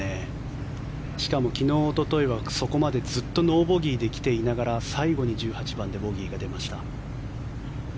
しかも昨日おとといはそこまでずっとノーボギーで来ていながら最後に１８番でボギーが出ました。